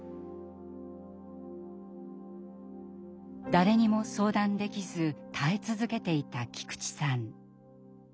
誰にも相談できず耐え続けていた菊池さん。